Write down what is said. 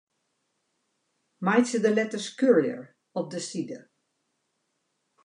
Meitsje de letters Courier op 'e side.